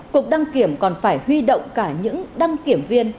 cục đăng kiểm còn phải huy động cả những đăng kiểm viên